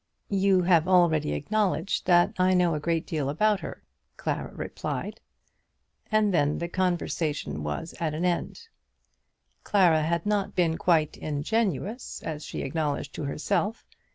"You have already acknowledged that I know a great deal about her," Clara replied. And then the conversation was at an end. Clara had not been quite ingenuous, as she acknowledged to herself.